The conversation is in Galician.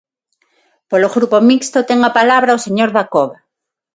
Polo Grupo Mixto, ten a palabra o señor Dacova.